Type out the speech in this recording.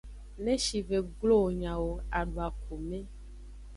Ne shive glo wo nyawo, adu akume.